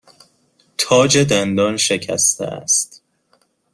تاج دندان شکسته است.